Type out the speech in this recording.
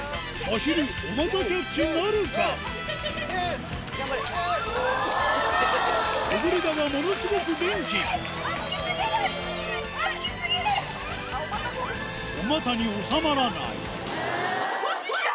おまたに収まらない嫌！